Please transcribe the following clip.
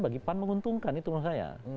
bagi pan menguntungkan itu menurut saya